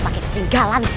paket tinggalan sih